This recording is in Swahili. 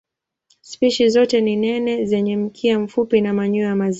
Spishi zote ni nene zenye mkia mfupi na manyoya mazito.